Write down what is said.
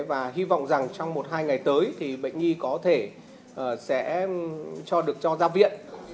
và hy vọng rằng trong một hai ngày tới thì bệnh nghi có thể sẽ được cho ra viện